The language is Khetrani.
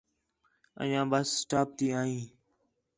انڄیاں بس سٹاپ تی آ ہیں